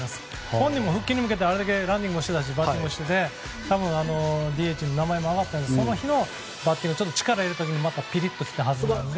本人も復帰に向かってあれだけランニングもしていたしバッティングもしていてＤＨに名前も挙がっていたのでその日のバッティング力を入れたときにピリッと来たはずなので。